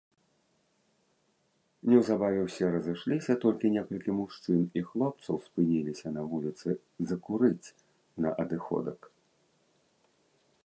Неўзабаве ўсе разышліся, толькі некалькі мужчын і хлопцаў спыніліся на вуліцы закурыць на адыходак.